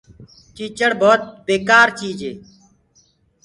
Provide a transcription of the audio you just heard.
تيچڙ ڀوت بيڪآر چيج هي۔